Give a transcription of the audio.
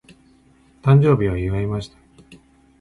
誕生日を祝いました。